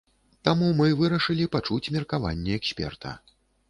Таму мы вырашылі пачуць меркаванне эксперта.